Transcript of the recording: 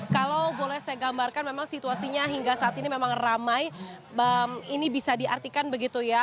kalau boleh saya gambarkan memang situasinya hingga saat ini memang ramai ini bisa diartikan begitu ya